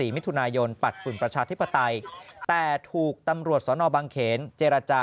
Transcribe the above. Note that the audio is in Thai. มิถุนายนปัดฝุ่นประชาธิปไตยแต่ถูกตำรวจสนบางเขนเจรจา